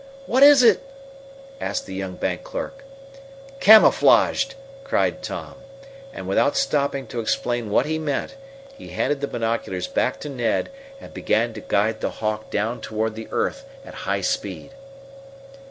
"What is it?" asked the young bank clerk. "Camouflaged!" cried Tom, and without stopping to explain what he meant, he handed the binoculars back to Ned and began to guide the Hawk down toward the earth at high speed.